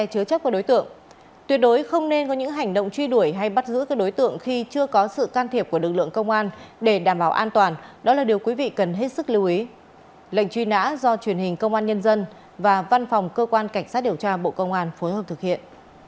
cơ quan cảnh sát điều tra bộ công an phối hợp thực hiện